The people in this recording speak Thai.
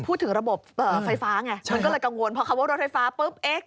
พูดถึงระบบไฟฟ้าไงมันก็เลยกังวลเพราะคำว่ารถไฟฟ้าปุ๊บเอ๊ะ